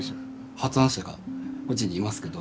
発案者がこっちにいますけど。